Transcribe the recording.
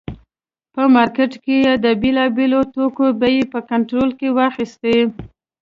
په مارکېټ کې یې د بېلابېلو توکو بیې په کنټرول کې واخیستې.